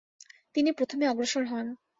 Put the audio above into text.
তিনি প্রথমে অগ্রসর হন।